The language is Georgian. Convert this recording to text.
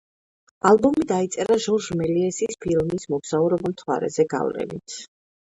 ალბომი დაიწერა ჟორჟ მელიესის ფილმის „მოგზაურობა მთვარეზე“ გავლენით.